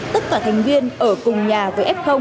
tất cả thành viên ở cùng nhà với f